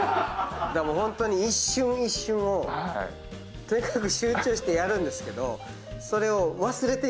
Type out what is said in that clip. ホントに一瞬一瞬を集中してやるんですけどそれを。